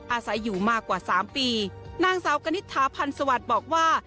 อาศัยอยู่มากกว่าสามปีนางสาวกณิตถาพันธ์สวัสดิ์บอกว่า